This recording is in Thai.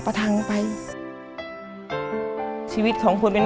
มันต้องการแล้วก็หายให้มัน